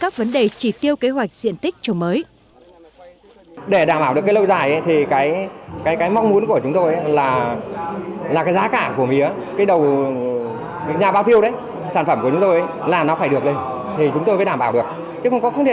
các vấn đề chỉ tiêu kế hoạch diện tích trồng mới